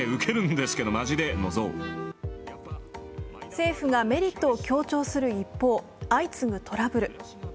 背府がメリットを強調する一方、相次ぐトラブル。